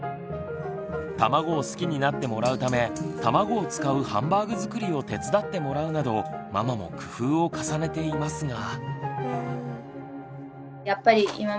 卵を好きになってもらうため卵を使うハンバーグ作りを手伝ってもらうなどママも工夫を重ねていますが。